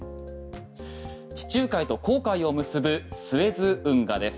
地中海と紅海を結ぶスエズ運河です。